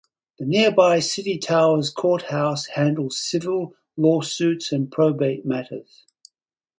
The nearby City Towers courthouse handles civil lawsuits and probate matters.